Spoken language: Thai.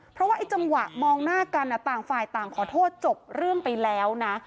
เพราะว่าไอ้จังหวะมองหน้ากันต่างฝ่ายต่างขอโทษจบเรื่องไปแล้วนะ